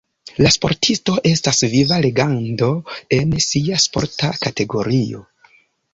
La sportisto estas viva legendo en sia sporta kategorio.